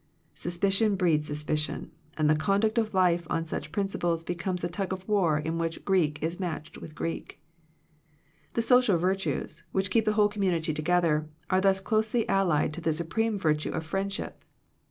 Suspicion breeds sus picion, and the conduct of life on such principles becomes a tug of war in which Greek is matched with Greek. The social virtues, which keep the whole community together, are thus closely allied to the supreme virtue of friendship.